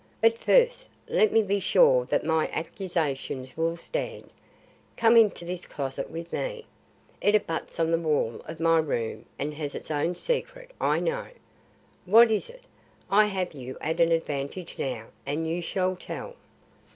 But first, let me be sure that my accusations will stand. Come into this closet with me. It abuts on the wall of my room and has its own secret, I know. What is it? I have you at an advantage now, and you shall tell."